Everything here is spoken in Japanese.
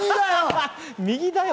右だよ！